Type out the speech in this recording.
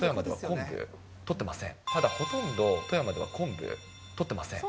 ただほとんど、富山では昆布取ってません。